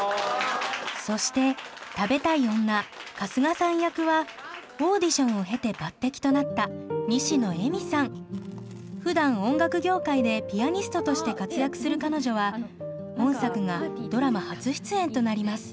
そして食べたい女春日さん役はオーディションを経て抜てきとなったふだん音楽業界でピアニストとして活躍する彼女は本作がドラマ初出演となります。